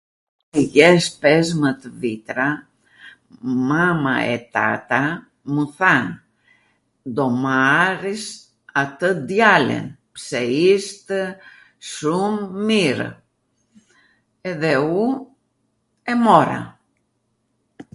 jesh pezmwt vitra, mwma e tata mw than: do marwsh atw djalwn, pse ishtw shum mirw, edhe u e mora.